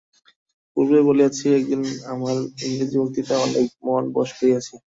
পূর্বেই বলিয়াছি, একদিন আমার ইংরেজি বক্তৃতায় অনেক মন বশ করিয়াছি।